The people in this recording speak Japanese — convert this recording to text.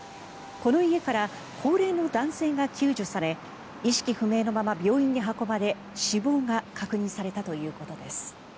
この家から高齢の男性が救助され意識不明のまま病院に運ばれ死亡が確認されたということです。